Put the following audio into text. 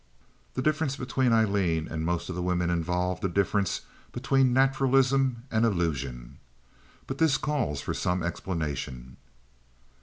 The difference between Aileen and most of the women involved a difference between naturalism and illusion. But this calls for some explanation.